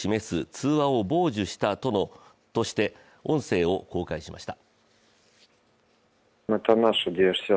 通話を傍受したとして音声を公開しました。